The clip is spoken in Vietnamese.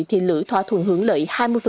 thì lữ thỏa thuận hưởng lợi hai mươi